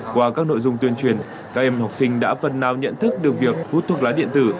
qua các nội dung tuyên truyền các em học sinh đã phần nào nhận thức được việc hút thuốc lá điện tử